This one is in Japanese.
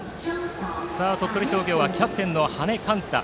鳥取商業はバッターキャプテンの羽根勘太。